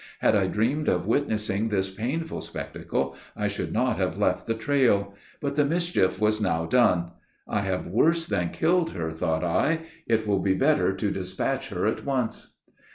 Had I dreamed of witnessing this painful spectacle, I should not have left the trail. But the mischief was now done. "I have worse than killed her," thought I, "it will be better to despatch her at once."